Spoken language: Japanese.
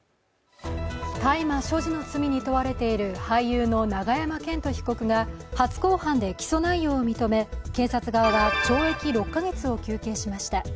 大麻所持の罪に問われている俳優の永山絢斗被告が初公判で起訴内容を認め、警察側は懲役６か月を求刑しました。